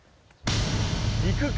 行くか。